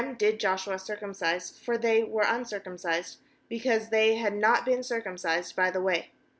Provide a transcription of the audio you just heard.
did ^ Joshua circumcise; for they were uncircumcised, because they had not been circumcised by the way.